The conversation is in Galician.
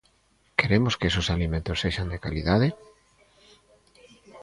Queremos que eses alimentos sexan de calidade?